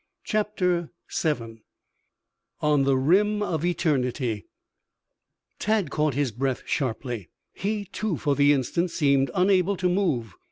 CHAPTER VII ON THE RIM OF ETERNITY Tad caught his breath sharply. He, too, for the instant seemed unable to move.